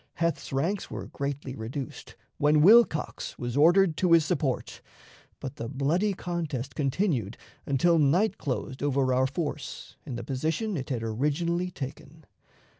Heth's ranks were greatly reduced, when Wilcox was ordered to his support, but the bloody contest continued until night closed over our force in the position it had originally taken.